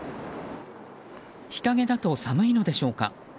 日陰だと寒いのでしょうか。